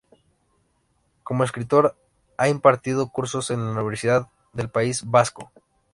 Como escritor ha impartido cursos en la Universidad del País Vasco